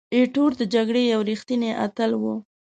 ایټور د جګړې یو ریښتینی اتل وو.